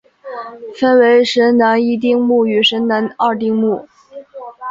分为神南一丁目与神南二丁目。